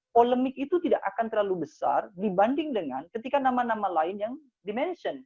polemik itu tidak akan terlalu besar dibanding dengan ketika nama nama lain yang dimention